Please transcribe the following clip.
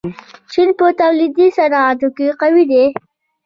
چین په تولیدي صنعتونو کې قوي دی.